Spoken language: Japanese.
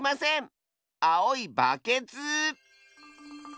あおいバケツ！